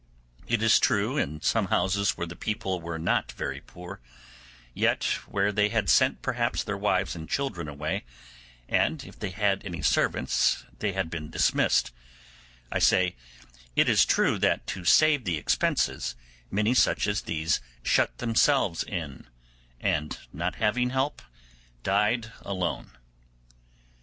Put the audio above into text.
It is true, in some houses where the people were not very poor, yet where they had sent perhaps their wives and children away, and if they had any servants they had been dismissed;—I say it is true that to save the expenses, many such as these shut themselves in, and not having help, died alone.